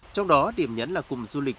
trong đó điểm nhấn là cùng du lịch